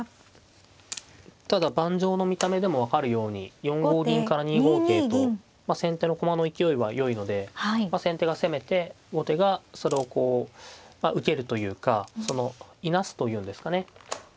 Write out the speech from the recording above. ただ盤上の見た目でも分かるように４五銀から２五桂と先手の駒の勢いはよいので先手が攻めて後手がそれをこう受けるというかいなすというんですかね。